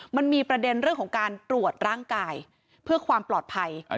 มันมีประเด็นเรื่องของการตรวจร่างกายเพื่อความปลอดภัย